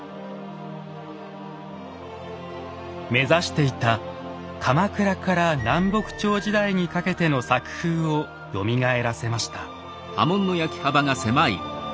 目指していた鎌倉から南北朝時代にかけての作風をよみがえらせました。